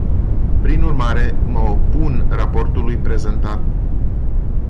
Prin urmare, mă opun raportului prezentat.